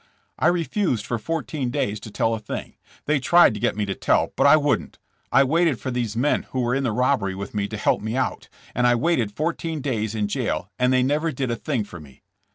''I refused for fourteen days to tell a thing. They tried to get me to tell, but I wouldn't. I waited for these men who were in the robbery with me to help me out, and I waited fourteen days in jail and they never did a thing for me.